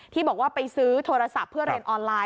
ที่บอกว่าไปซื้อโทรศัพท์เพื่อเรียนออนไลน